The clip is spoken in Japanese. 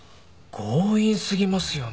強引過ぎますよね。